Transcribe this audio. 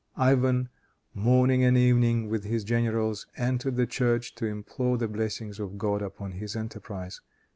Ivan, morning and evening, with his generals, entered the church to implore the blessing of God upon his enterprise.